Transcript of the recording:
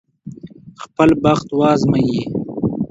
خپل بخت وازمايي.